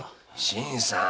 新さん。